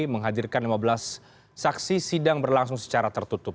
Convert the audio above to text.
menghadirkan lima belas saksi sidang berlangsung secara tertutup